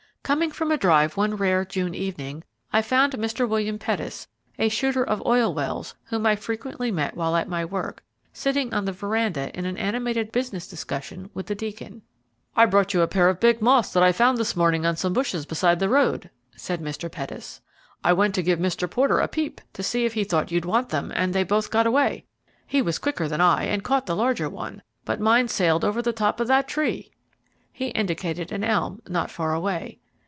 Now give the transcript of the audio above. Coming from a drive one rare June evening, I found Mr. William Pettis, a shooter of oil wells, whom I frequently met while at my work, sitting on the veranda in an animated business discussion with the Deacon. "I brought you a pair of big moths that I found this morning on some bushes beside the road," said Mr. Pettis. "I went to give Mr. Porter a peep to see if he thought you'd want them, and they both got away. He was quicker than I, and caught the larger one, but mine sailed over the top of that tree." He indicated an elm not far away.